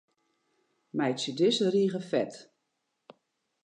Meitsje dizze rige fet.